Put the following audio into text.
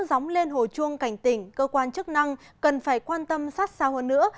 gióng lên hồ chuông cảnh tỉnh cơ quan chức năng cần phải quan tâm sát sao hơn nữa